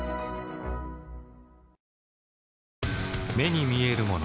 目に見えるもの